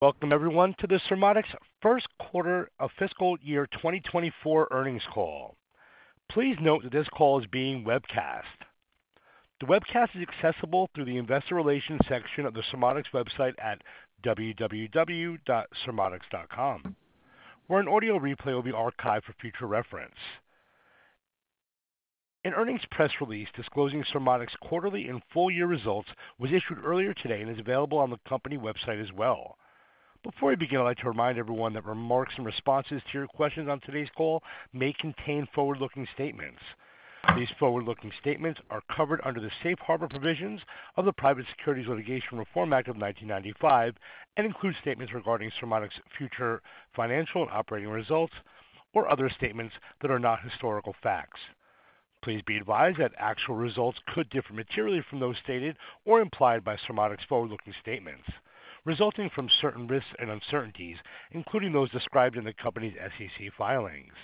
Welcome everyone to the Surmodics First Quarter of Fiscal Year 2024 Earnings Call. Please note that this call is being webcast. The webcast is accessible through the investor relations section of the Surmodics website at www.surmodics.com, where an audio replay will be archived for future reference. An earnings press release disclosing Surmodics quarterly and full year results was issued earlier today and is available on the company website as well. Before we begin, I'd like to remind everyone that remarks and responses to your questions on today's call may contain forward-looking statements. These forward-looking statements are covered under the safe harbor provisions of the Private Securities Litigation Reform Act of 1995, and include statements regarding Surmodics' future financial and operating results, or other statements that are not historical facts. Please be advised that actual results could differ materially from those stated or implied by Surmodics' forward-looking statements, resulting from certain risks and uncertainties, including those described in the company's SEC filings.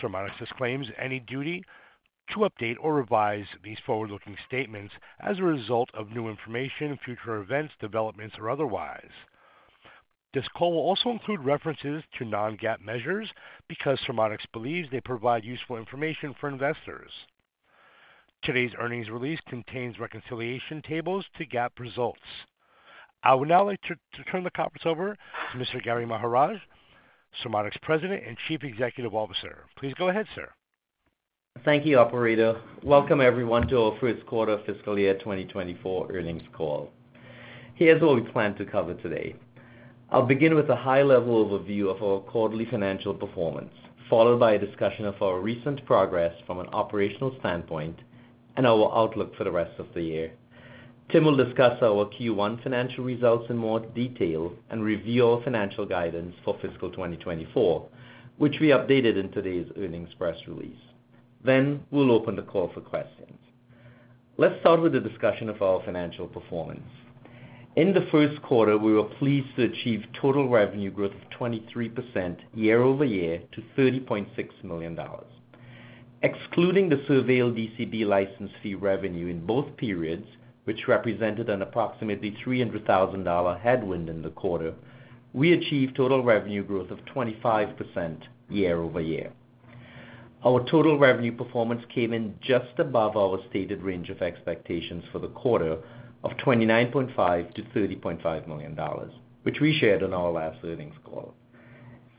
Surmodics disclaims any duty to update or revise these forward-looking statements as a result of new information, future events, developments, or otherwise. This call will also include references to non-GAAP measures because Surmodics believes they provide useful information for investors. Today's earnings release contains reconciliation tables to GAAP results. I would now like to turn the conference over to Mr. Gary Maharaj, Surmodics' President and Chief Executive Officer. Please go ahead, sir. Thank you, operator. Welcome everyone to our first quarter fiscal year 2024 earnings call. Here's what we plan to cover today. I'll begin with a high-level overview of our quarterly financial performance, followed by a discussion of our recent progress from an operational standpoint and our outlook for the rest of the year. Tim will discuss our Q1 financial results in more detail and review our financial guidance for fiscal 2024, which we updated in today's earnings press release. Then, we'll open the call for questions. Let's start with a discussion of our financial performance. In the first quarter, we were pleased to achieve total revenue growth of 23% year-over-year to $30.6 million. Excluding the SurVeil DCB license fee revenue in both periods, which represented an approximately $300,000 headwind in the quarter, we achieved total revenue growth of 25% year-over-year. Our total revenue performance came in just above our stated range of expectations for the quarter of $29.5 million-$30.5 million, which we shared on our last earnings call.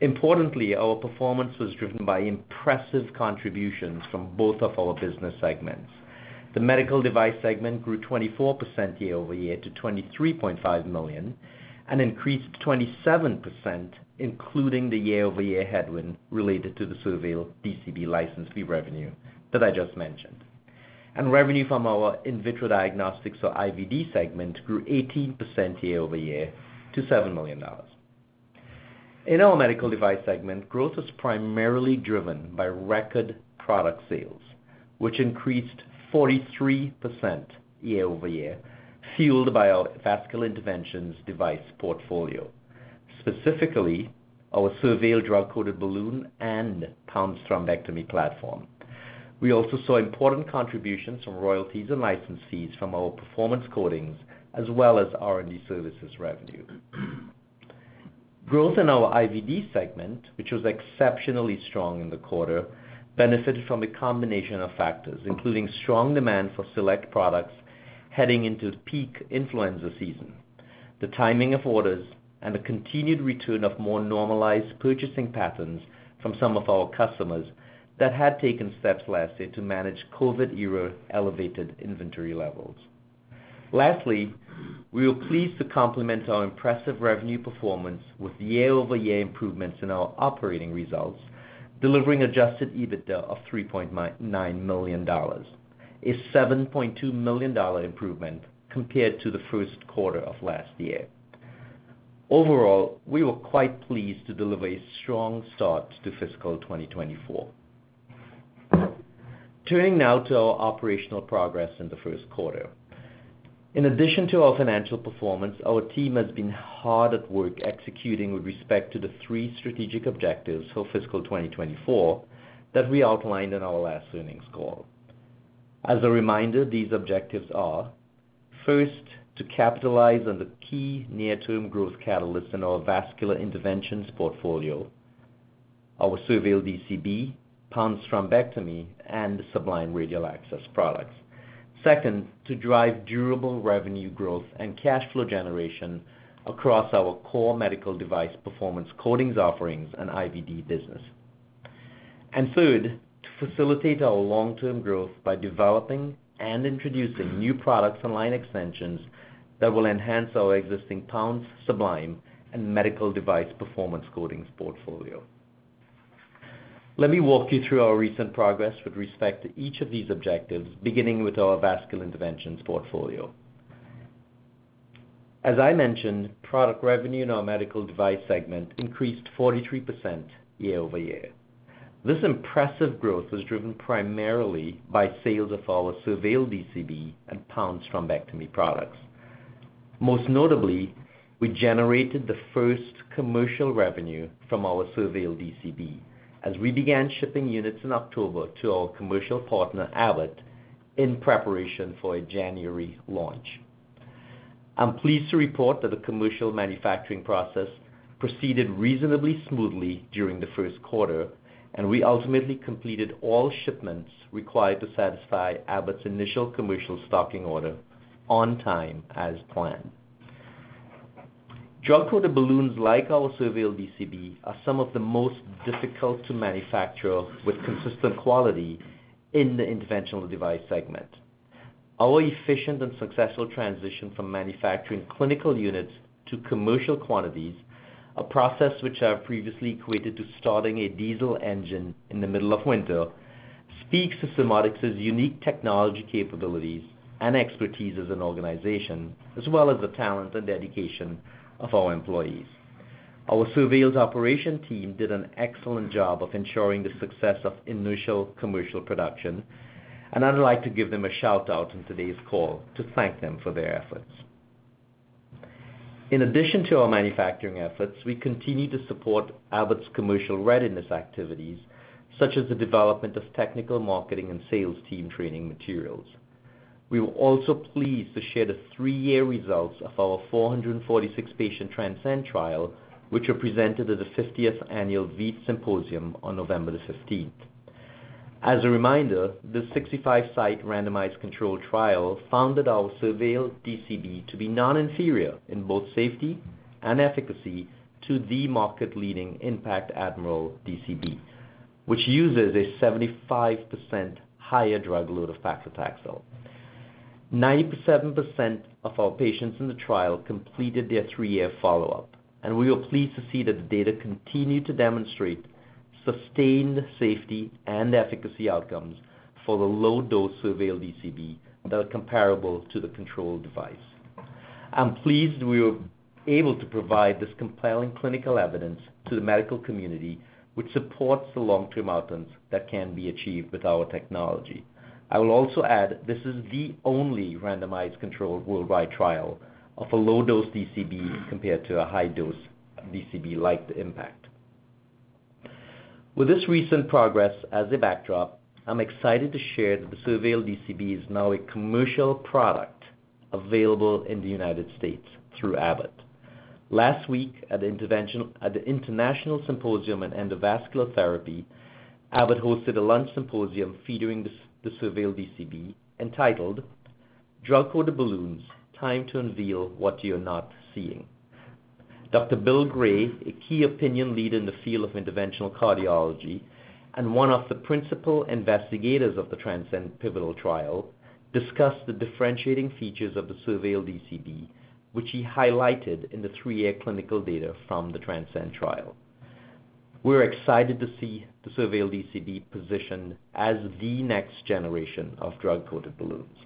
Importantly, our performance was driven by impressive contributions from both of our business segments. The medical device segment grew 24% year-over-year to $23.5 million, and increased 27%, including the year-over-year headwind related to the SurVeil DCB license fee revenue that I just mentioned. Revenue from our in vitro diagnostics or IVD segment grew 18% year-over-year to $7 million. In our medical device segment, growth was primarily driven by record product sales, which increased 43% year-over-year, fueled by our vascular interventions device portfolio, specifically our SurVeil drug-coated balloon and Pounce thrombectomy platform. We also saw important contributions from royalties and license fees from our performance coatings as well as R&D services revenue. Growth in our IVD segment, which was exceptionally strong in the quarter, benefited from a combination of factors, including strong demand for select products heading into the peak influenza season, the timing of orders, and a continued return of more normalized purchasing patterns from some of our customers that had taken steps last year to manage COVID-era elevated inventory levels. Lastly, we were pleased to complement our impressive revenue performance with year-over-year improvements in our operating results, delivering Adjusted EBITDA of $3.99 million, a $7.2 million dollar improvement compared to the first quarter of last year. Overall, we were quite pleased to deliver a strong start to fiscal 2024. Turning now to our operational progress in the first quarter. In addition to our financial performance, our team has been hard at work executing with respect to the three strategic objectives for fiscal 2024 that we outlined in our last earnings call. As a reminder, these objectives are: First, to capitalize on the key near-term growth catalysts in our vascular interventions portfolio, our SurVeil DCB, Pounce thrombectomy, and the Sublime radial access products. Second, to drive durable revenue growth and cash flow generation across our core medical device performance coatings offerings and IVD business. And third, to facilitate our long-term growth by developing and introducing new products and line extensions that will enhance our existing Pounce, Sublime, and medical device performance coatings portfolio. Let me walk you through our recent progress with respect to each of these objectives, beginning with our vascular interventions portfolio. As I mentioned, product revenue in our medical device segment increased 43% year-over-year. This impressive growth was driven primarily by sales of our SurVeil DCB and Pounce thrombectomy products. Most notably, we generated the first commercial revenue from our SurVeil DCB as we began shipping units in October to our commercial partner, Abbott in preparation for a January launch. I'm pleased to report that the commercial manufacturing process proceeded reasonably smoothly during the first quarter, and we ultimately completed all shipments required to satisfy Abbott's initial commercial stocking order on time, as planned. Drug-coated balloons, like our SurVeil DCB, are some of the most difficult to manufacture with consistent quality in the interventional device segment. Our efficient and successful transition from manufacturing clinical units to commercial quantities, a process which I have previously equated to starting a diesel engine in the middle of winter, speaks to Surmodics' unique technology capabilities and expertise as an organization, as well as the talent and dedication of our employees. Our SurVeil operations team did an excellent job of ensuring the success of initial commercial production, and I'd like to give them a shout-out on today's call to thank them for their efforts. In addition to our manufacturing efforts, we continue to support Abbott's commercial readiness activities, such as the development of technical marketing and sales team training materials. We were also pleased to share the three-year results of our 446-patient TRANSCEND trial, which were presented at the 50th Annual VEITHsymposium on November 15. As a reminder, the 65-site randomized controlled trial found that our SurVeil DCB to be non-inferior in both safety and efficacy to the market-leading IN.PACT Admiral DCB, which uses a 75% higher drug load of paclitaxel. 97% of our patients in the trial completed their three-year follow-up, and we were pleased to see that the data continued to demonstrate sustained safety and efficacy outcomes for the low-dose SurVeil DCB that are comparable to the control device. I'm pleased we were able to provide this compelling clinical evidence to the medical community, which supports the long-term outcomes that can be achieved with our technology. I will also add, this is the only randomized controlled worldwide trial of a low-dose DCB compared to a high-dose DCB like the IN.PACT. With this recent progress as a backdrop, I'm excited to share that the SurVeil DCB is now a commercial product available in the United States through Abbott. Last week, at the International Symposium on Endovascular Therapy, Abbott hosted a lunch symposium featuring the SurVeil DCB, entitled Drug-Coated Balloons: Time to Unveil What You're Not Seeing. Dr. Bill Gray, a key opinion leader in the field of interventional cardiology and one of the principal investigators of the TRANSCEND Pivotal Trial, discussed the differentiating features of the SurVeil DCB, which he highlighted in the three-year clinical data from the TRANSCEND trial. We're excited to see the SurVeil DCB positioned as the next generation of drug-coated balloons.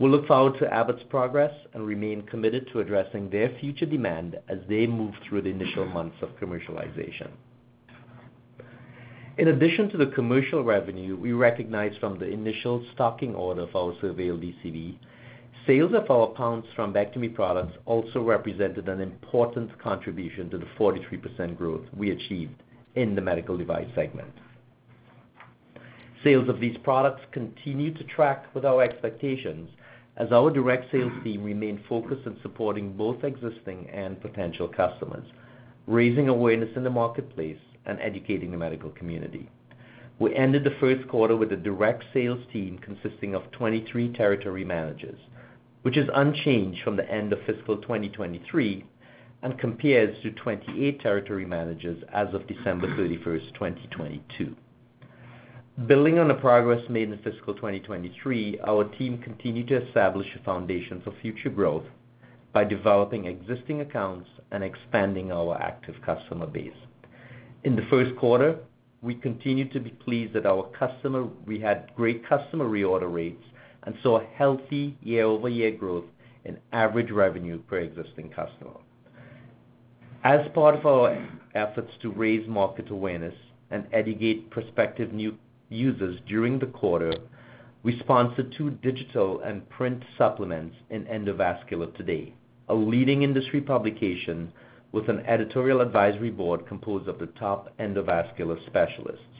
We look forward to Abbott's progress and remain committed to addressing their future demand as they move through the initial months of commercialization. In addition to the commercial revenue we recognize from the initial stocking order of our SurVeil DCB, sales of our Pounce thrombectomy products also represented an important contribution to the 43% growth we achieved in the medical device segment. Sales of these products continue to track with our expectations as our direct sales team remain focused on supporting both existing and potential customers, raising awareness in the marketplace, and educating the medical community. We ended the first quarter with a direct sales team consisting of 23 territory managers, which is unchanged from the end of fiscal 2023 and compares to 28 territory managers as of December 31, 2022. Building on the progress made in fiscal 2023, our team continued to establish a foundation for future growth by developing existing accounts and expanding our active customer base. In the first quarter, we continued to be pleased that we had great customer reorder rates and saw a healthy year-over-year growth in average revenue per existing customer. As part of our efforts to raise market awareness and educate prospective new users during the quarter, we sponsored two digital and print supplements in Endovascular Today, a leading industry publication with an editorial advisory board composed of the top endovascular specialists.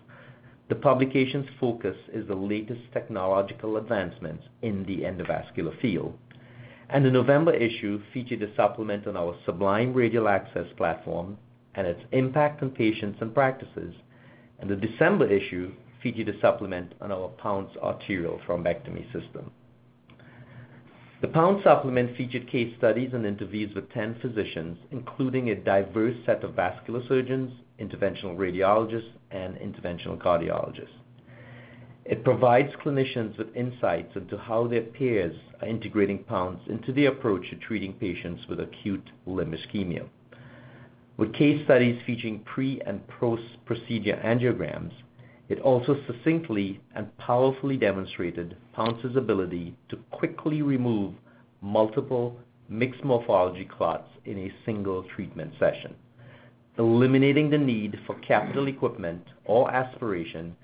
The publication's focus is the latest technological advancements in the endovascular field, and the November issue featured a supplement on our Sublime Radial Access Platform and its impact on patients and practices. The December issue featured a supplement on our Pounce Arterial Thrombectomy System. The Pounce supplement featured case studies and interviews with 10 physicians, including a diverse set of vascular surgeons, interventional radiologists, and interventional cardiologists. It provides clinicians with insights into how their peers are integrating Pounce into the approach to treating patients with acute limb ischemia. With case studies featuring pre- and post-procedure angiograms, it also succinctly and powerfully demonstrated Pounce's ability to quickly remove multiple mixed morphology clots in a single treatment session, eliminating the need for capital equipment or aspiration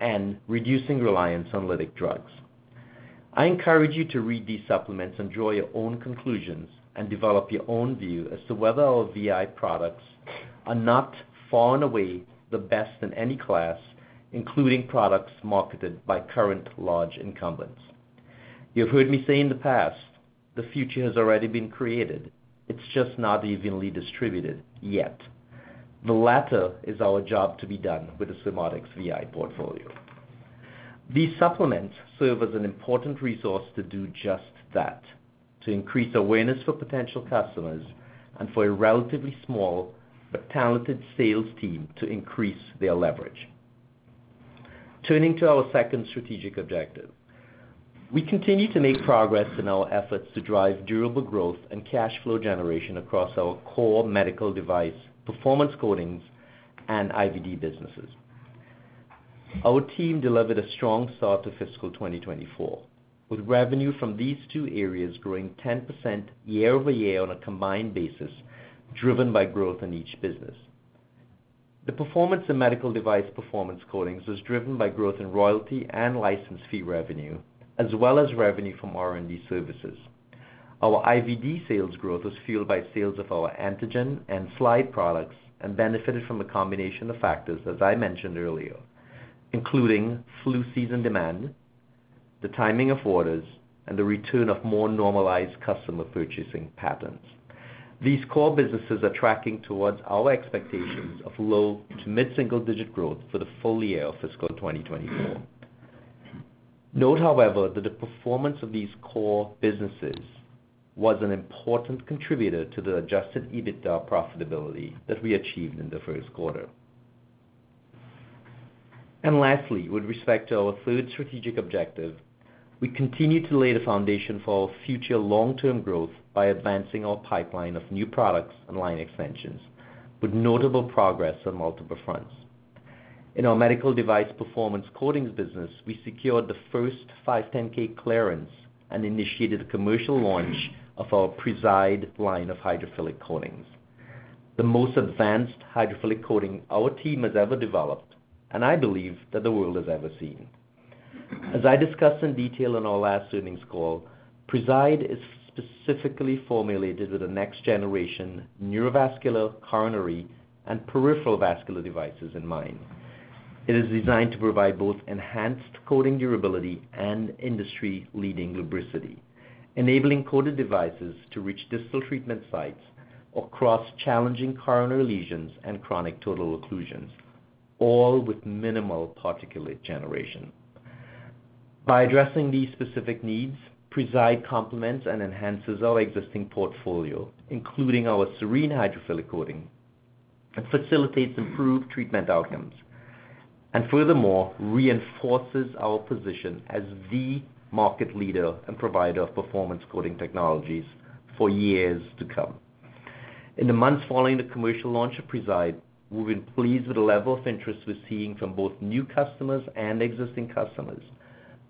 and reducing reliance on lytic drugs. I encourage you to read these supplements and draw your own conclusions, and develop your own view as to whether our VI products are not far and away the best in any class, including products marketed by current large incumbents. You've heard me say in the past, the future has already been created, it's just not evenly distributed yet. The latter is our job to be done with the Surmodics VI portfolio. These supplements serve as an important resource to do just that, to increase awareness for potential customers and for a relatively small but talented sales team to increase their leverage. Turning to our second strategic objective. We continue to make progress in our efforts to drive durable growth and cash flow generation across our core medical device, performance coatings, and IVD businesses. Our team delivered a strong start to fiscal 2024, with revenue from these two areas growing 10% year-over-year on a combined basis, driven by growth in each business. The performance in medical device performance coatings was driven by growth in royalty and license fee revenue, as well as revenue from R&D services. Our IVD sales growth was fueled by sales of our antigen and slide products, and benefited from a combination of factors, as I mentioned earlier, including flu season demand, the timing of orders, and the return of more normalized customer purchasing patterns. These core businesses are tracking towards our expectations of low- to mid-single-digit growth for the full year of fiscal 2024. Note, however, that the performance of these core businesses was an important contributor to the adjusted EBITDA profitability that we achieved in the first quarter. Lastly, with respect to our third strategic objective, we continue to lay the foundation for our future long-term growth by advancing our pipeline of new products and line extensions, with notable progress on multiple fronts. In our medical device performance coatings business, we secured the first 510(k) clearance and initiated the commercial launch of our Preside line of hydrophilic coatings, the most advanced hydrophilic coating our team has ever developed, and I believe that the world has ever seen. As I discussed in detail on our last earnings call, Preside is specifically formulated with a next-generation neurovascular, coronary, and peripheral vascular devices in mind. It is designed to provide both enhanced coating durability and industry-leading lubricity, enabling coated devices to reach distal treatment sites across challenging coronary lesions and chronic total occlusions, all with minimal particulate generation. By addressing these specific needs, Preside complements and enhances our existing portfolio, including our Serene hydrophilic coating, and facilitates improved treatment outcomes, and furthermore, reinforces our position as the market leader and provider of performance coating technologies for years to come. In the months following the commercial launch of Preside, we've been pleased with the level of interest we're seeing from both new customers and existing customers,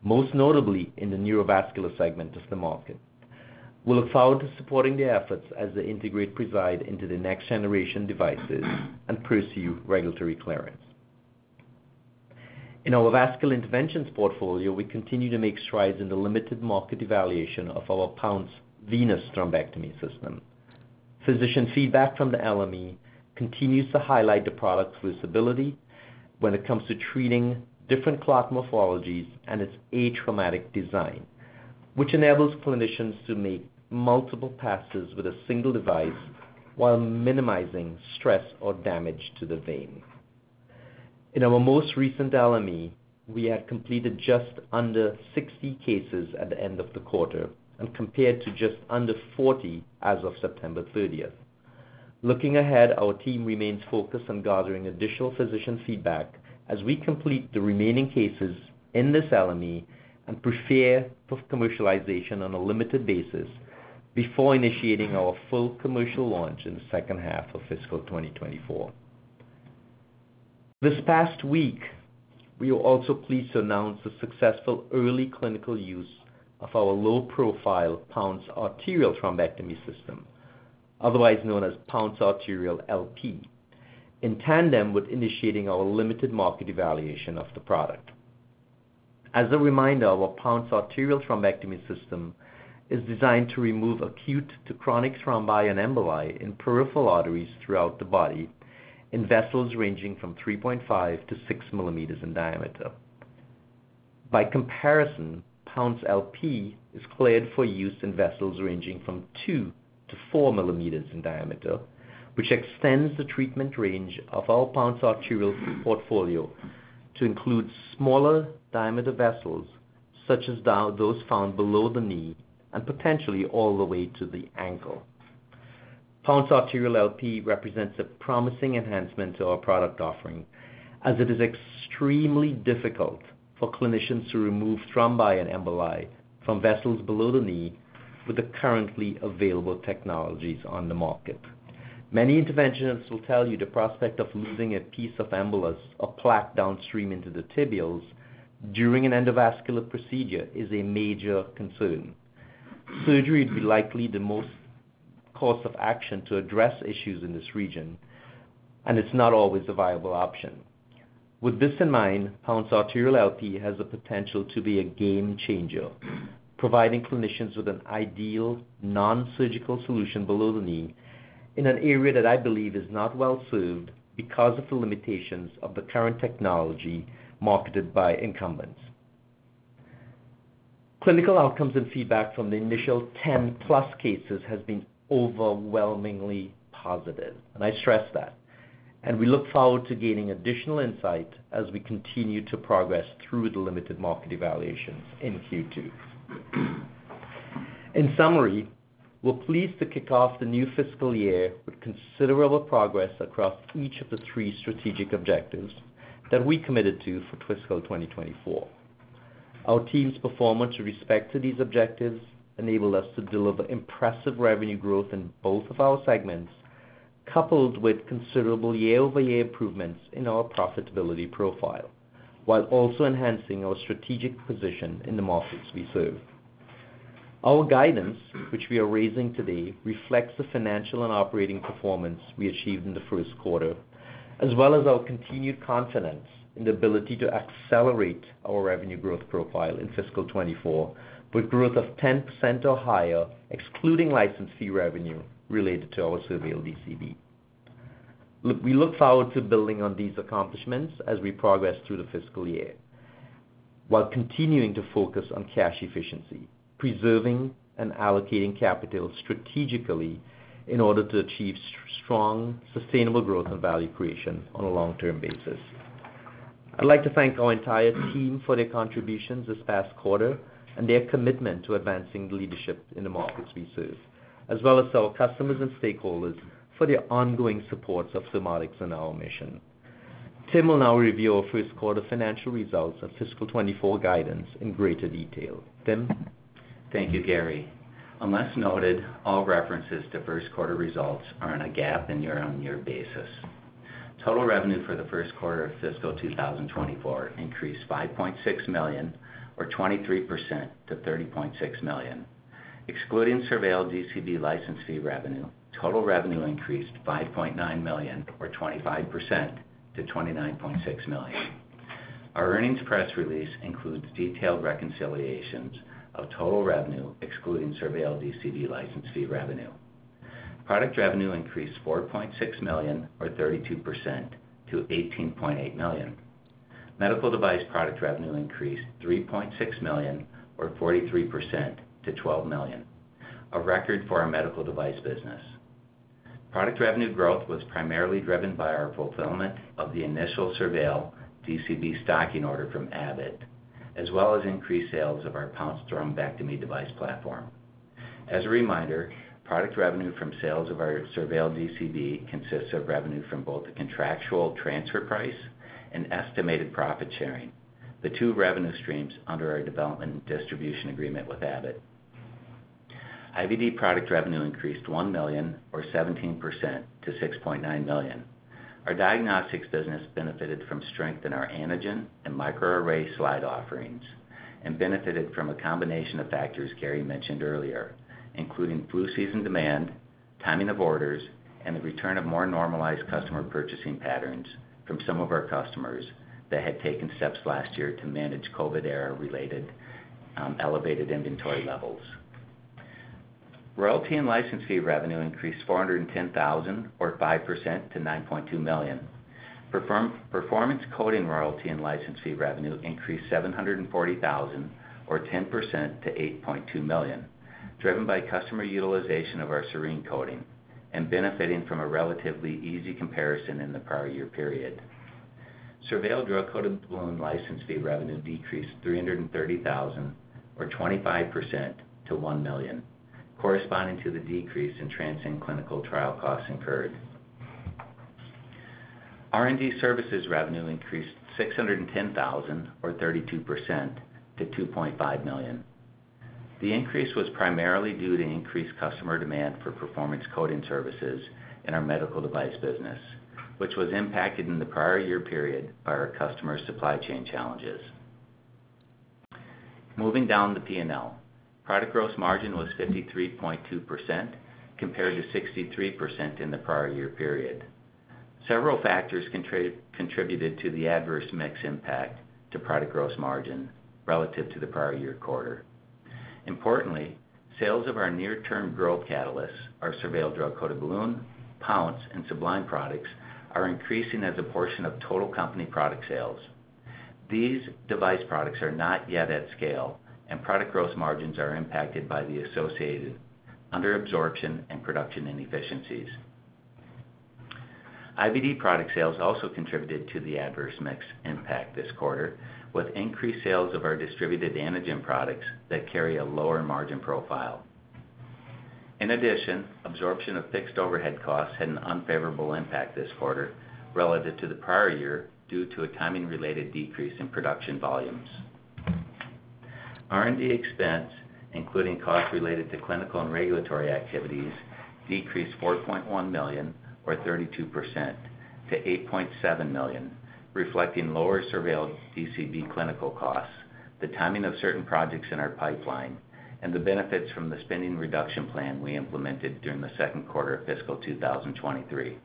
most notably in the neurovascular segment of the market. We look forward to supporting their efforts as they integrate Preside into the next-generation devices and pursue regulatory clearance. In our vascular interventions portfolio, we continue to make strides in the limited market evaluation of our Pounce Venous Thrombectomy System. Physician feedback from the LME continues to highlight the product's flexibility when it comes to treating different clot morphologies and its atraumatic design, which enables clinicians to make multiple passes with a single device while minimizing stress or damage to the vein. In our most recent LME, we had completed just under 60 cases at the end of the quarter, and compared to just under 40 as of September 30th. Looking ahead, our team remains focused on gathering additional physician feedback as we complete the remaining cases in this LME and prepare for commercialization on a limited basis before initiating our full commercial launch in the second half of fiscal 2024. This past week, we were also pleased to announce the successful early clinical use of our low-profile Pounce arterial thrombectomy system, otherwise known as Pounce Arterial LP, in tandem with initiating our limited market evaluation of the product. As a reminder, our Pounce arterial thrombectomy system is designed to remove acute to chronic thrombi and emboli in peripheral arteries throughout the body, in vessels ranging from 3.5-6 millimeters in diameter. By comparison, Pounce LP is cleared for use in vessels ranging from 2-4 mm in diameter, which extends the treatment range of our Pounce arterial portfolio to include smaller diameter vessels, such as those found below the knee and potentially all the way to the ankle. Pounce Arterial LP represents a promising enhancement to our product offering, as it is extremely difficult for clinicians to remove thrombi and emboli from vessels below the knee with the currently available technologies on the market. Many interventionists will tell you the prospect of losing a piece of embolus or plaque downstream into the tibials during an endovascular procedure is a major concern. Surgery would be likely the most common course of action to address issues in this region, and it's not always a viable option. With this in mind, Pounce LP has the potential to be a game changer, providing clinicians with an ideal non-surgical solution below the knee, in an area that I believe is not well served because of the limitations of the current technology marketed by incumbents. Clinical outcomes and feedback from the initial 10+ cases has been overwhelmingly positive, and I stress that, and we look forward to gaining additional insight as we continue to progress through the limited market evaluations in Q2. In summary, we're pleased to kick off the new fiscal year with considerable progress across each of the 3 strategic objectives that we committed to for fiscal 2024. Our team's performance with respect to these objectives enabled us to deliver impressive revenue growth in both of our segments, coupled with considerable year-over-year improvements in our profitability profile, while also enhancing our strategic position in the markets we serve. Our guidance, which we are raising today, reflects the financial and operating performance we achieved in the first quarter, as well as our continued confidence in the ability to accelerate our revenue growth profile in fiscal 2024, with growth of 10% or higher, excluding license fee revenue related to our SurVeil DCB. Look, we look forward to building on these accomplishments as we progress through the fiscal year, while continuing to focus on cash efficiency, preserving and allocating capital strategically in order to achieve strong, sustainable growth and value creation on a long-term basis. I'd like to thank our entire team for their contributions this past quarter, and their commitment to advancing leadership in the markets we serve, as well as our customers and stakeholders for their ongoing support of Surmodics and our mission. Tim will now review our first quarter financial results and fiscal 2024 guidance in greater detail. Tim? Thank you, Gary. Unless noted, all references to first quarter results are on a GAAP and year-on-year basis. Total revenue for the first quarter of fiscal 2024 increased $5.6 million, or 23% to $30.6 million. Excluding SurVeil DCB license fee revenue, total revenue increased $5.9 million, or 25% to $29.6 million. Our earnings press release includes detailed reconciliations of total revenue, excluding SurVeil DCB license fee revenue. Product revenue increased $4.6 million, or 32% to $18.8 million. Medical device product revenue increased $3.6 million, or 43% to $12 million, a record for our medical device business. Product revenue growth was primarily driven by our fulfillment of the initial SurVeil DCB stocking order from Abbott, as well as increased sales of our Pounce thrombectomy device platform. As a reminder, product revenue from sales of our SurVeil DCB consists of revenue from both the contractual transfer price and estimated profit sharing, the two revenue streams under our development and distribution agreement with Abbott. IVD product revenue increased $1 million, or 17% to $6.9 million. Our diagnostics business benefited from strength in our antigen and microarray slide offerings, and benefited from a combination of factors Gary mentioned earlier, including flu season demand, timing of orders, and the return of more normalized customer purchasing patterns from some of our customers that had taken steps last year to manage COVID era-related, elevated inventory levels. Royalty and license fee revenue increased $410,000, or 5% to $9.2 million. Performance coating royalty and license fee revenue increased $740,000, or 10% to $8.2 million, driven by customer utilization of our Serene coating and benefiting from a relatively easy comparison in the prior year period. SurVeil drug-coated balloon license fee revenue decreased $330,000, or 25% to $1 million, corresponding to the decrease in TRANSCEND clinical trial costs incurred. R&D services revenue increased $610,000, or 32% to $2.5 million. The increase was primarily due to increased customer demand for performance coating services in our medical device business, which was impacted in the prior year period by our customer supply chain challenges. Moving down the P&L, product gross margin was 53.2% compared to 63% in the prior year period. Several factors contributed to the adverse mix impact to product gross margin relative to the prior year quarter. Importantly, sales of our near-term growth catalysts, our SurVeil drug-coated balloon, Pounce, and Sublime products, are increasing as a portion of total company product sales. These device products are not yet at scale, and product gross margins are impacted by the associated under absorption and production inefficiencies. IVD product sales also contributed to the adverse mix impact this quarter, with increased sales of our distributed antigen products that carry a lower margin profile. In addition, absorption of fixed overhead costs had an unfavorable impact this quarter relative to the prior year, due to a timing-related decrease in production volumes. R&D expense, including costs related to clinical and regulatory activities, decreased $4.1 million, or 32%, to $8.7 million, reflecting lower SurVeil DCB clinical costs, the timing of certain projects in our pipeline, and the benefits from the spending reduction plan we implemented during the second quarter of fiscal 2023.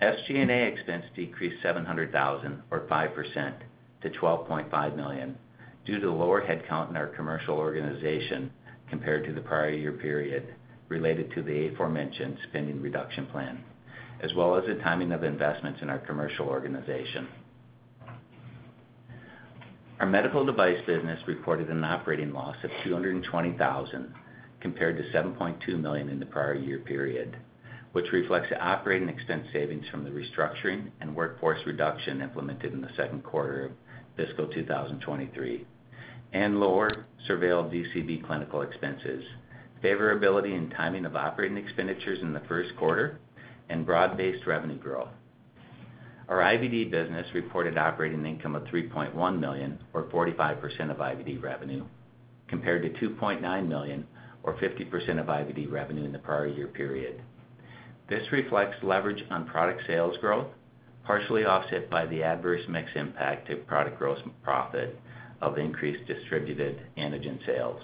SG&A expense decreased $700,000, or 5%, to $12.5 million, due to the lower headcount in our commercial organization compared to the prior year period related to the aforementioned spending reduction plan, as well as the timing of investments in our commercial organization. Our medical device business reported an operating loss of $220,000, compared to $7.2 million in the prior year period, which reflects the operating expense savings from the restructuring and workforce reduction implemented in the second quarter of fiscal 2023, and lower SurVeil DCB clinical expenses, favorability and timing of operating expenditures in the first quarter, and broad-based revenue growth. Our IVD business reported operating income of $3.1 million, or 45% of IVD revenue, compared to $2.9 million, or 50% of IVD revenue in the prior year period. This reflects leverage on product sales growth, partially offset by the adverse mix impact to product gross profit of increased distributed antigen sales.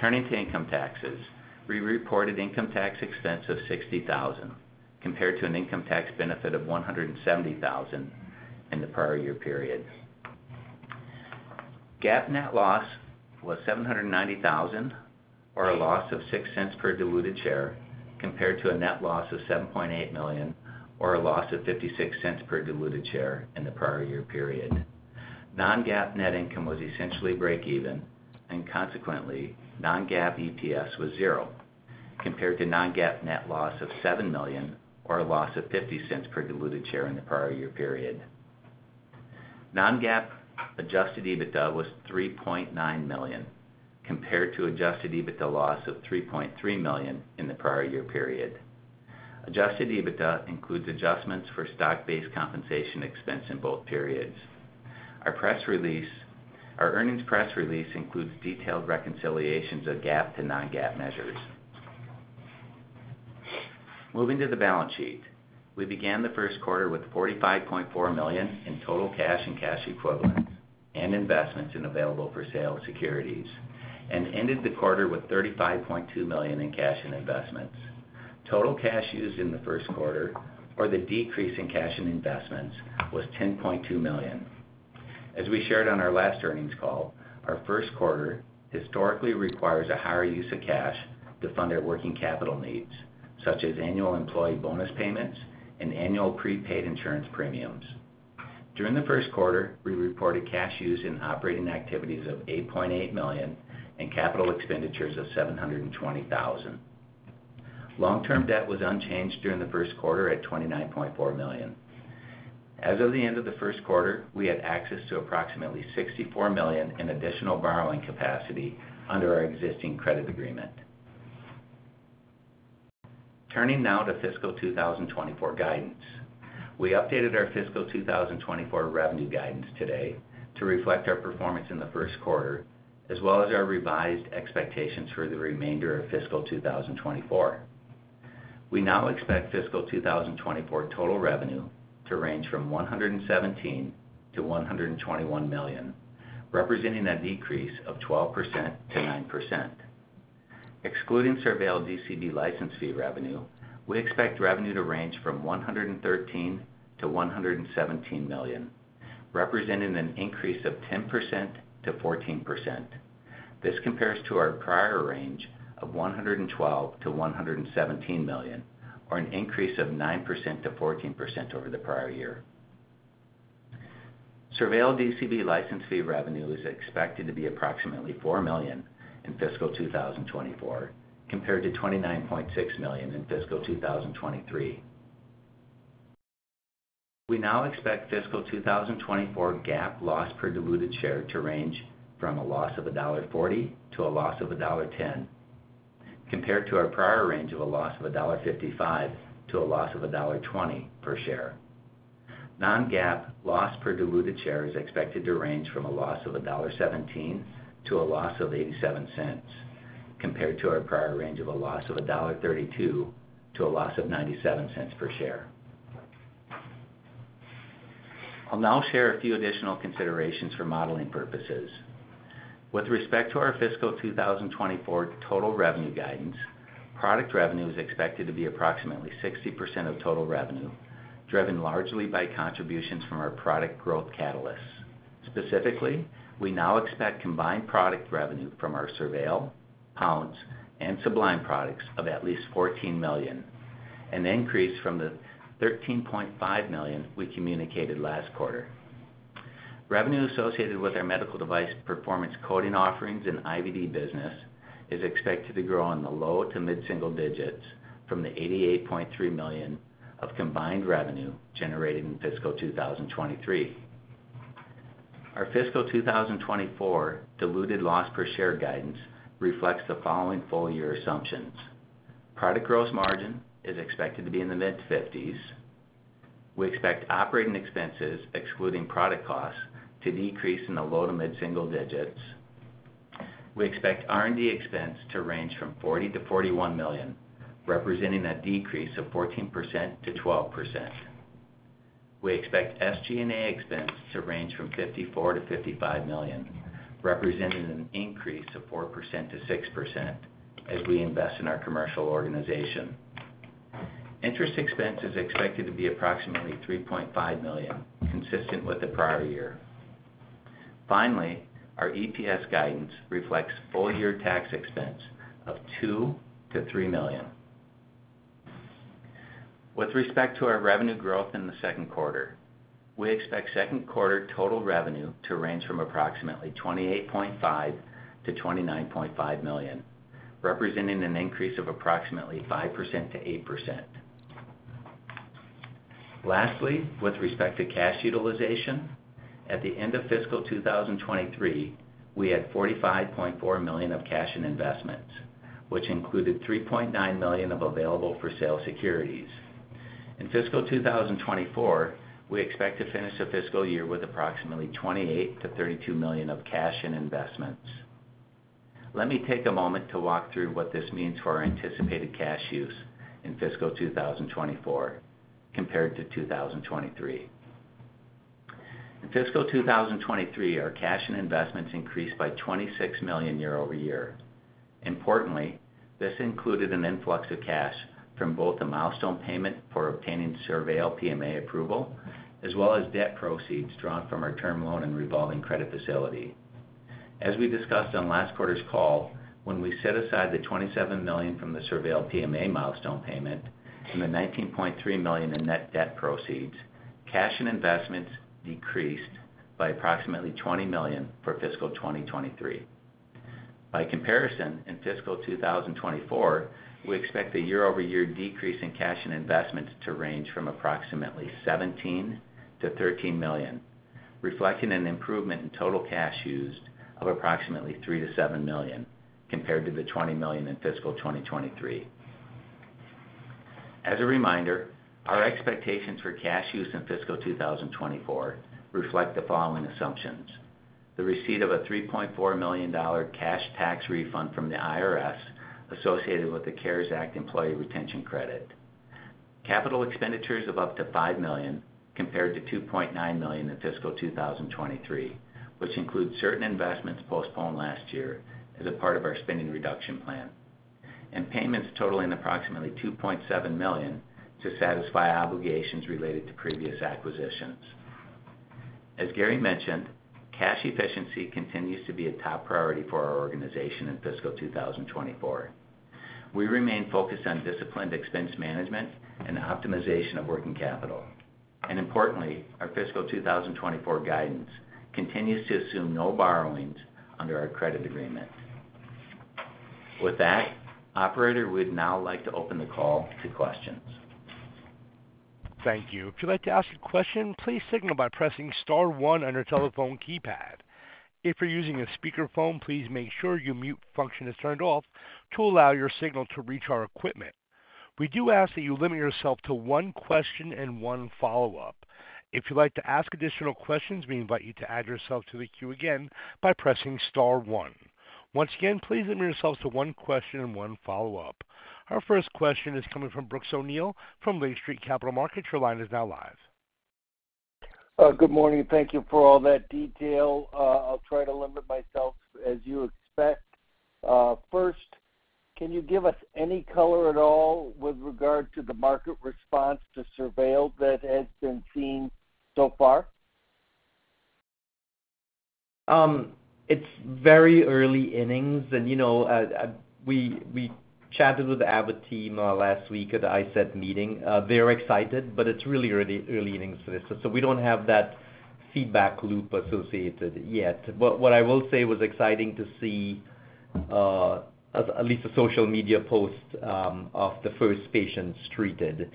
Turning to income taxes, we reported income tax expense of $60,000, compared to an income tax benefit of $170,000 in the prior year period. GAAP net loss was $790,000, or a loss of $0.06 per diluted share, compared to a net loss of $7.8 million, or a loss of $0.56 per diluted share in the prior year period. Non-GAAP net income was essentially break even, and consequently, non-GAAP EPS was zero, compared to non-GAAP net loss of $7 million, or a loss of $0.50 per diluted share in the prior year period. Non-GAAP adjusted EBITDA was $3.9 million, compared to adjusted EBITDA loss of $3.3 million in the prior year period. Adjusted EBITDA includes adjustments for stock-based compensation expense in both periods. Our earnings press release includes detailed reconciliations of GAAP to non-GAAP measures. Moving to the balance sheet. We began the first quarter with $45.4 million in total cash and cash equivalents and investments in available-for-sale securities, and ended the quarter with $35.2 million in cash and investments. Total cash used in the first quarter, or the decrease in cash and investments, was $10.2 million. As we shared on our last earnings call, our first quarter historically requires a higher use of cash to fund our working capital needs, such as annual employee bonus payments and annual prepaid insurance premiums. During the first quarter, we reported cash used in operating activities of $8.8 million and capital expenditures of $720,000. Long-term debt was unchanged during the first quarter at $29.4 million. As of the end of the first quarter, we had access to approximately $64 million in additional borrowing capacity under our existing credit agreement. Turning now to fiscal 2024 guidance. We updated our fiscal 2024 revenue guidance today to reflect our performance in the first quarter, as well as our revised expectations for the remainder of fiscal 2024. We now expect fiscal 2024 total revenue to range from $117 million-$121 million, representing a decrease of 9%-12%. Excluding SurVeil DCB license fee revenue, we expect revenue to range from $113 million-$117 million, representing an increase of 10%-14%. This compares to our prior range of $112 million-$117 million, or an increase of 9%-14% over the prior year. SurVeil DCB license fee revenue is expected to be approximately $4 million in fiscal 2024, compared to $29.6 million in fiscal 2023. We now expect fiscal 2024 GAAP loss per diluted share to range from a loss of $1.40-$1.10, compared to our prior range of a loss of $1.55-$1.20 per share. Non-GAAP loss per diluted share is expected to range from a loss of $1.17-$0.87, compared to our prior range of a loss of $1.32 to a loss of $0.97 per share. I'll now share a few additional considerations for modeling purposes. With respect to our fiscal 2024 total revenue guidance, product revenue is expected to be approximately 60% of total revenue, driven largely by contributions from our product growth catalysts. Specifically, we now expect combined product revenue from our SurVeil, Pounce, and Sublime products of at least $14 million, an increase from the $13.5 million we communicated last quarter. Revenue associated with our medical device performance coding offerings and IVD business is expected to grow in the low- to mid-single digits from the $88.3 million of combined revenue generated in fiscal 2023. Our fiscal 2024 diluted loss per share guidance reflects the following full-year assumptions: Product gross margin is expected to be in the mid-50s%. We expect operating expenses, excluding product costs, to decrease in the low- to mid-single digits. We expect R&D expense to range from $40-41 million, representing a decrease of 14%-12%. We expect SG&A expense to range from $54-55 million, representing an increase of 4%-6% as we invest in our commercial organization. Interest expense is expected to be approximately $3.5 million, consistent with the prior year. Finally, our EPS guidance reflects full-year tax expense of $2-3 million. With respect to our revenue growth in the second quarter, we expect second quarter total revenue to range from approximately $28.5-$29.5 million, representing an increase of approximately 5%-8%. Lastly, with respect to cash utilization, at the end of fiscal 2023, we had $45.4 million of cash and investments, which included $3.9 million of available for sale securities. In fiscal 2024, we expect to finish the fiscal year with approximately $28 million-$32 million of cash and investments. Let me take a moment to walk through what this means for our anticipated cash use in fiscal 2024 compared to 2023. In fiscal 2023, our cash and investments increased by $26 million year-over-year. Importantly, this included an influx of cash from both the milestone payment for obtaining SurVeil PMA approval, as well as debt proceeds drawn from our term loan and revolving credit facility. As we discussed on last quarter's call, when we set aside the $27 million from the SurVeil PMA milestone payment and the $19.3 million in net debt proceeds, cash and investments decreased by approximately $20 million for fiscal 2023. By comparison, in fiscal 2024, we expect a year-over-year decrease in cash and investments to range from approximately $13 million-$13 million, reflecting an improvement in total cash used of approximately $3 million-$7 million compared to the $20 million in fiscal 2023. As a reminder, our expectations for cash use in fiscal 2024 reflect the following assumptions: the receipt of a $3.4 million cash tax refund from the IRS associated with the CARES Act Employee Retention Credit. Capital expenditures of up to $5 million compared to $2.9 million in fiscal 2023, which includes certain investments postponed last year as a part of our spending reduction plan. Payments totaling approximately $2.7 million to satisfy obligations related to previous acquisitions. As Gary mentioned, cash efficiency continues to be a top priority for our organization in fiscal 2024. We remain focused on disciplined expense management and optimization of working capital. Importantly, our fiscal 2024 guidance continues to assume no borrowings under our credit agreement. With that, operator, we'd now like to open the call to questions. Thank you. If you'd like to ask a question, please signal by pressing star one on your telephone keypad. If you're using a speakerphone, please make sure your mute function is turned off to allow your signal to reach our equipment. We do ask that you limit yourself to one question and one follow-up. If you'd like to ask additional questions, we invite you to add yourself to the queue again by pressing star one. Once again, please limit yourselves to one question and one follow-up. Our first question is coming from Brooks O'Neil from Lake Street Capital Markets. Your line is now live. Good morning, thank you for all that detail. I'll try to limit myself as you expect. First, can you give us any color at all with regard to the market response to SurVeil that has been seen so far? It's very early innings and, you know, we chatted with the Abbott team last week at the ISET meeting. They're excited, but it's really early innings for this, so we don't have that feedback loop associated yet. But what I will say, it was exciting to see at least a social media post of the first patients treated.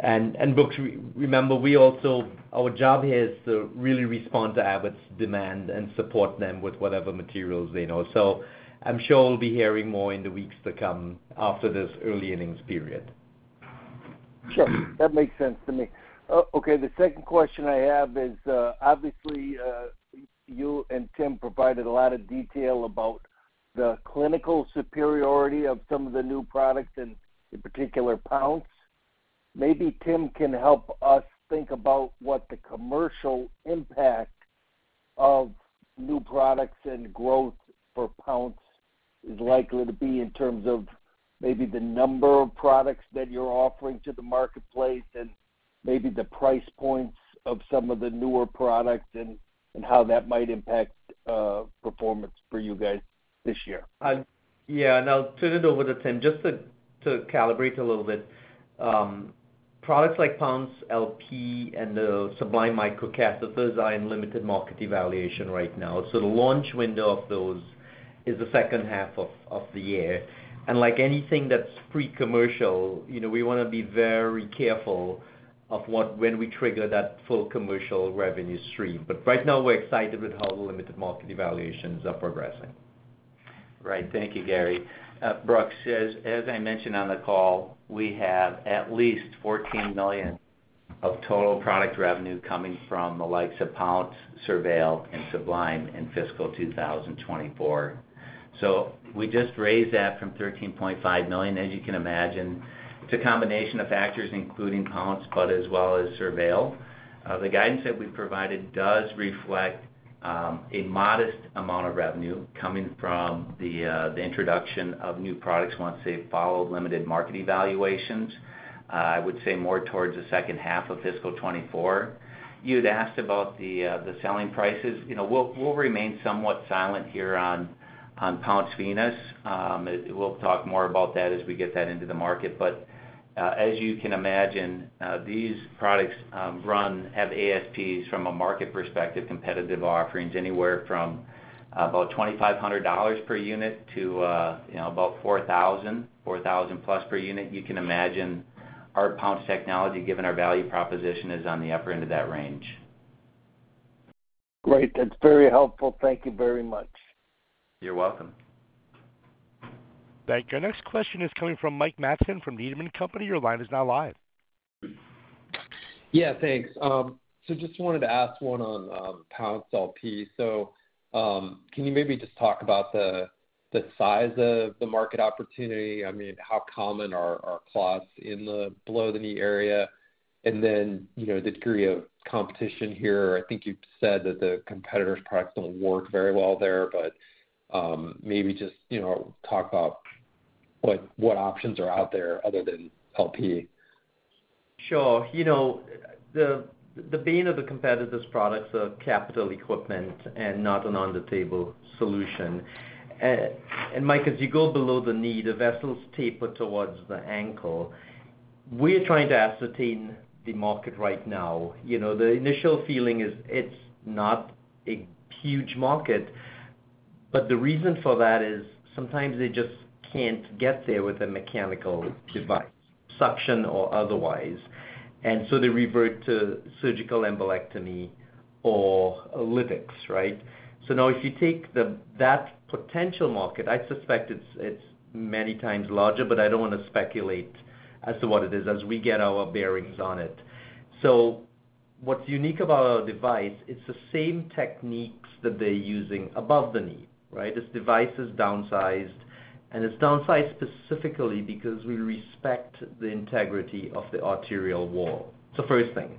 And, Brooks, remember, we also - our job here is to really respond to Abbott's demand and support them with whatever materials they need. So I'm sure we'll be hearing more in the weeks to come after this early innings period. Sure. That makes sense to me. Okay, the second question I have is, obviously, you and Tim provided a lot of detail about the clinical superiority of some of the new products and, in particular, Pounce. Maybe Tim can help us think about what the commercial impact of new products and growth for Pounce is likely to be in terms of maybe the number of products that you're offering to the marketplace, and maybe the price points of some of the newer products and, and how that might impact, performance for you guys this year. Yeah, and I'll turn it over to Tim. Just to calibrate a little bit, products like Pounce LP and the Sublime microcat, those are in limited market evaluation right now. So the launch window of those is the second half of the year. And like anything that's pre-commercial, you know, we wanna be very careful of what, when we trigger that full commercial revenue stream. But right now, we're excited with how the limited market evaluations are progressing. Right. Thank you, Gary. Brooks, as I mentioned on the call, we have at least $14 million of total product revenue coming from the likes of Pounce, SurVeil, and Sublime in fiscal 2024. So we just raised that from $13.5 million. As you can imagine. It's a combination of factors, including Pounce, but as well as SurVeil. The guidance that we've provided does reflect a modest amount of revenue coming from the introduction of new products once they've followed limited market evaluations. I would say more towards the second half of fiscal 2024. You'd asked about the selling prices. You know, we'll remain somewhat silent here on Pounce Venous. We'll talk more about that as we get that into the market. But, as you can imagine, these products run, have ASPs from a market perspective, competitive offerings, anywhere from about $2,500 per unit to, you know, about $4,000, $4,000+ per unit. You can imagine our Pounce technology, given our value proposition, is on the upper end of that range. Great. That's very helpful. Thank you very much. You're welcome. Thank you. Our next question is coming from Mike Matson from Needham & Company. Your line is now live. Yeah, thanks. So just wanted to ask one on Pounce LP. So, can you maybe just talk about the size of the market opportunity? I mean, how common are clots in the below-the-knee area? And then, you know, the degree of competition here. I think you've said that the competitor's products don't work very well there, but maybe just, you know, talk about what options are out there other than LP. Sure. You know, the, the bane of the competitor's products are capital equipment and not an on-the-table solution. And Mike, as you go below the knee, the vessels taper towards the ankle. We're trying to ascertain the market right now. You know, the initial feeling is it's not a huge market, but the reason for that is sometimes they just can't get there with a mechanical device, suction or otherwise, and so they revert to surgical embolectomy or lytics, right? So now, if you take that potential market, I suspect it's, it's many times larger, but I don't want to speculate as to what it is as we get our bearings on it. So what's unique about our device, it's the same techniques that they're using above the knee, right? This device is downsized, and it's downsized specifically because we respect the integrity of the arterial wall. So first thing,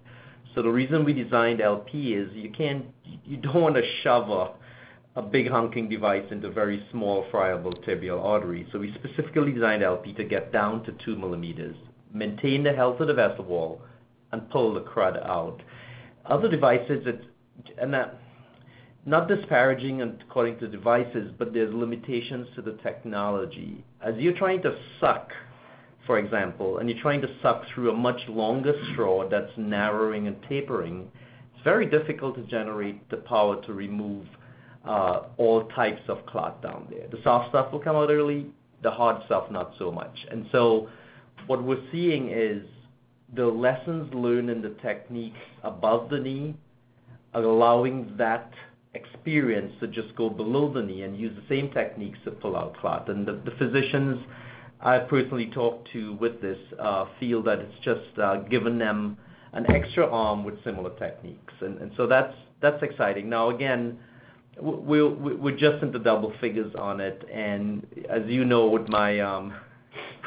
the reason we designed LP is you can't... You don't want to shove a big, honking device into a very small, friable tibial artery. So we specifically designed LP to get down to two millimeters, maintain the health of the vessel wall, and pull the crud out. Other devices, it's - and not disparaging other devices, but there's limitations to the technology. As you're trying to suck, for example, and you're trying to suck through a much longer straw that's narrowing and tapering, it's very difficult to generate the power to remove all types of clot down there. The soft stuff will come out early, the hard stuff, not so much. And so what we're seeing is the lessons learned and the techniques above the knee, allowing that experience to just go below the knee and use the same techniques to pull out clot. And the physicians I've personally talked to with this feel that it's just given them an extra arm with similar techniques. And so that's exciting. Now, again, we're just in the double figures on it, and as you know, with my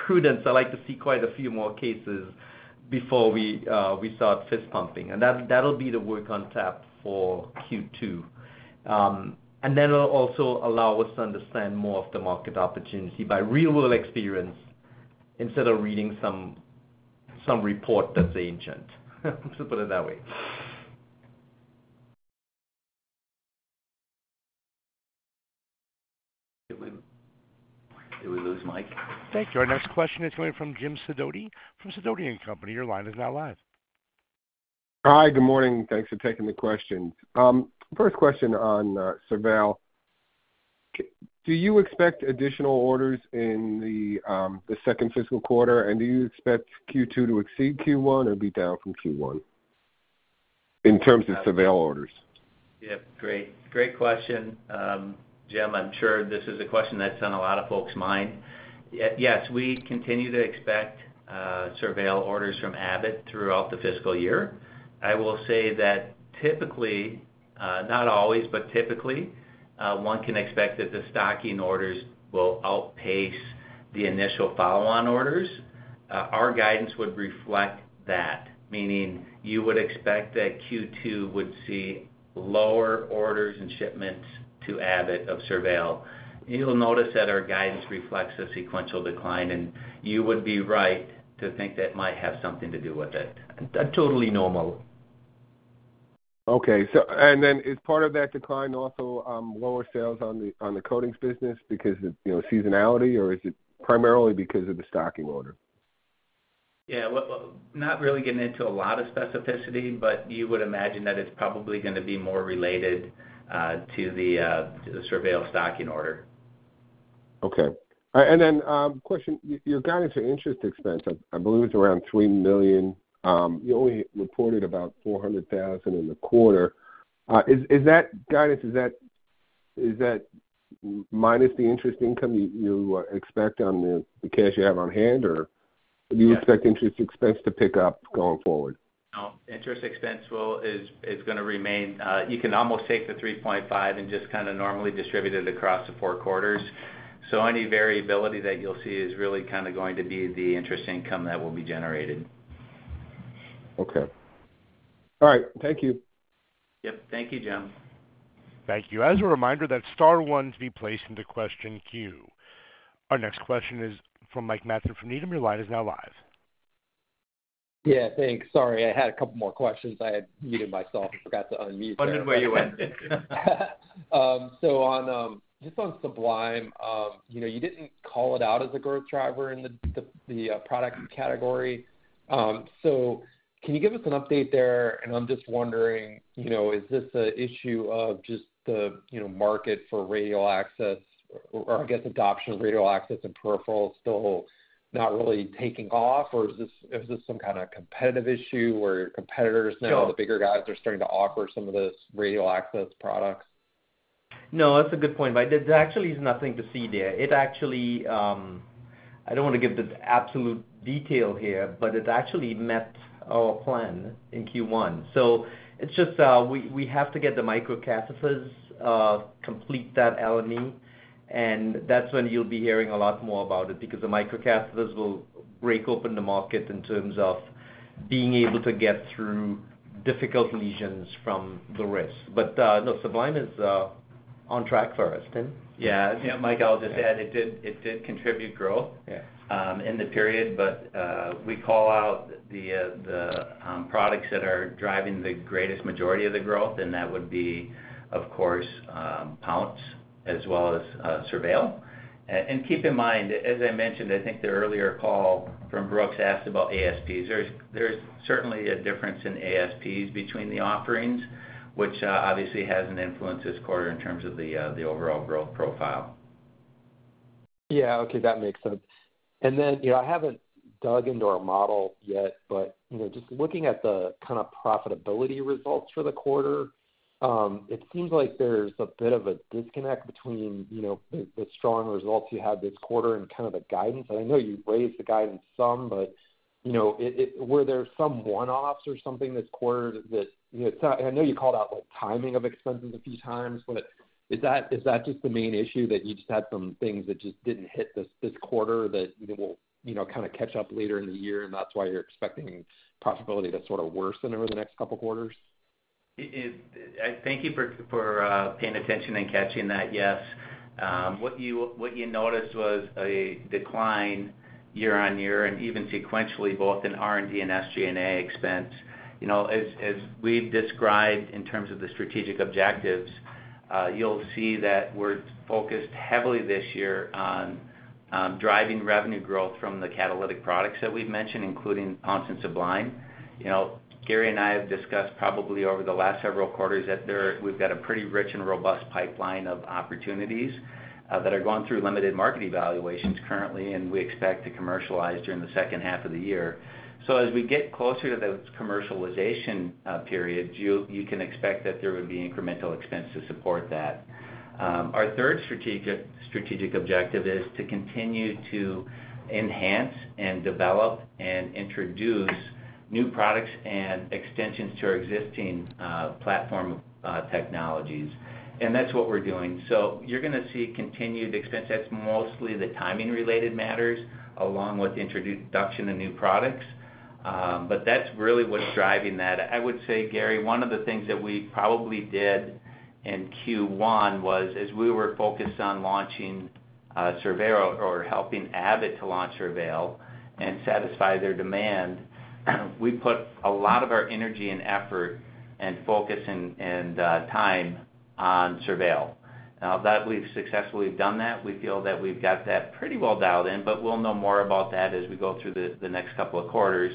prudence, I like to see quite a few more cases before we start fist pumping. And that'll be the work on tap for Q2. And that'll also allow us to understand more of the market opportunity by real-world experience instead of reading some report that's ancient, to put it that way. Did we lose Mike? Thank you. Our next question is coming from Jim Sidoti from Sidoti & Company. Your line is now live. Hi, good morning. Thanks for taking the questions. First question on SurVeil. Do you expect additional orders in the second fiscal quarter? And do you expect Q2 to exceed Q1 or be down from Q1 in terms of SurVeil orders? Yep, great. Great question. Jim, I'm sure this is a question that's on a lot of folks' mind. Yes, we continue to expect SurVeil orders from Abbott throughout the fiscal year. I will say that typically, not always, but typically, one can expect that the stocking orders will outpace the initial follow-on orders. Our guidance would reflect that, meaning you would expect that Q2 would see lower orders and shipments to Abbott of SurVeil. You'll notice that our guidance reflects a sequential decline, and you would be right to think that might have something to do with it. Totally normal. Okay. Is part of that decline also lower sales on the coatings business because of, you know, seasonality, or is it primarily because of the stocking order? Yeah. Well, not really getting into a lot of specificity, but you would imagine that it's probably gonna be more related to the SurVeil stocking order. Okay. All right, and then question, your guidance to interest expense, I believe it's around $3 million. You only reported about $400,000 in the quarter. Is that guidance minus the interest income you expect on the cash you have on hand, or do you expect interest expense to pick up going forward? Interest expense is going to remain. You can almost take the $3.5 and just kind of normally distribute it across the four quarters. So any variability that you'll see is really kind of going to be the interest income that will be generated. Okay. All right. Thank you. Yep. Thank you, Jim. Thank you. As a reminder, that's star one to be placed into question queue. Our next question is from Mike Matson from Needham. Your line is now live. Yeah, thanks. Sorry, I had a couple more questions. I had muted myself and forgot to unmute. Wondered where you went. So on, just on Sublime, you know, you didn't call it out as a growth driver in the product category. So can you give us an update there? And I'm just wondering, you know, is this an issue of just the market for radial access or I guess adoption of radial access and peripherals still not really taking off? Or is this some kind of competitive issue where your competitors, now the bigger guys, are starting to offer some of this radial access products? No, that's a good point, Mike. There's actually nothing to see there. It actually, I don't want to give the absolute detail here, but it actually met our plan in Q1. So it's just, we have to get the microcatheters, complete that LME, and that's when you'll be hearing a lot more about it, because the microcatheters will break open the market in terms of being able to get through difficult lesions from the wrist. But, no, Sublime is on track for us. Tim? Yeah. Yeah, Mike, I'll just add, it did, it did contribute growth in the period, but we call out the products that are driving the greatest majority of the growth, and that would be, of course, Pounce as well as SurVeil. And keep in mind, as I mentioned, I think the earlier call from Brooks asked about ASPs. There's certainly a difference in ASPs between the offerings, which obviously has an influence this quarter in terms of the overall growth profile. Yeah. Okay, that makes sense. Then, you know, I haven't dug into our model yet, but, you know, just looking at the kind of profitability results for the quarter, it seems like there's a bit of a disconnect between, you know, the strong results you had this quarter and kind of the guidance. I know you've raised the guidance some, but, you know, it... Were there some one-offs or something this quarter that, you know, I know you called out, like, timing of expenses a few times, but is that just the main issue, that you just had some things that just didn't hit this quarter that, you know, will kind of catch up later in the year, and that's why you're expecting profitability to sort of worsen over the next couple quarters? I thank you for paying attention and catching that. Yes, what you noticed was a decline year on year and even sequentially, both in R&D and SG&A expense. You know, as we've described in terms of the strategic objectives, you'll see that we're focused heavily this year on driving revenue growth from the catalytic products that we've mentioned, including Pounce and Sublime. You know, Gary and I have discussed probably over the last several quarters, that we've got a pretty rich and robust pipeline of opportunities that are going through limited market evaluations currently, and we expect to commercialize during the second half of the year. So as we get closer to those commercialization periods, you can expect that there would be incremental expense to support that. Our third strategic objective is to continue to enhance and develop and introduce new products and extensions to our existing platform technologies, and that's what we're doing. So you're going to see continued expense. That's mostly the timing related matters, along with introduction of new products, but that's really what's driving that. I would say, Gary, one of the things that we probably did in Q1 was, as we were focused on launching SurVeil or helping Abbott to launch SurVeil and satisfy their demand, we put a lot of our energy and effort and focus and time on SurVeil. Now that we've successfully done that, we feel that we've got that pretty well dialed in, but we'll know more about that as we go through the next couple of quarters.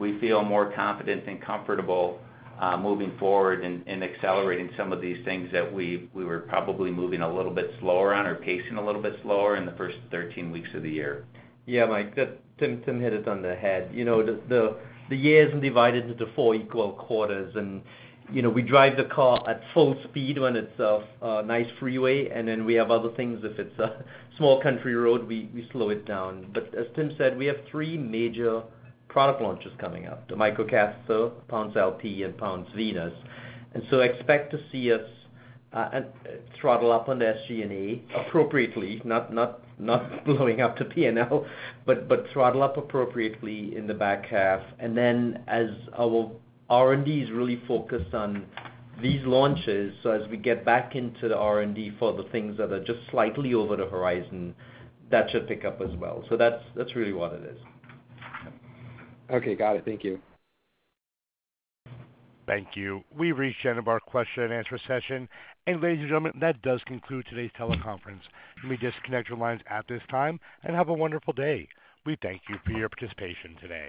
We feel more confident and comfortable moving forward and accelerating some of these things that we were probably moving a little bit slower on or pacing a little bit slower in the first 13 weeks of the year. Yeah, Mike, that. Tim hit it on the head. You know, the year isn't divided into four equal quarters and, you know, we drive the car at full speed when it's a nice freeway, and then we have other things, if it's a small country road, we slow it down. But as Tim said, we have three major product launches coming up, the microcatheter, Pounce LP and Pounce Venous. And so expect to see us throttle up on the SG&A appropriately, not blowing up the P&L, but throttle up appropriately in the back half. And then, as our R&D is really focused on these launches, so as we get back into the R&D for the things that are just slightly over the horizon, that should pick up as well. So that's really what it is. Okay, got it. Thank you. Thank you. We've reached the end of our question and answer session. Ladies and gentlemen, that does conclude today's teleconference. You may disconnect your lines at this time and have a wonderful day. We thank you for your participation today.